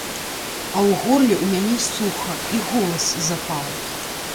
А ў горле ў мяне суха, і голас запаў.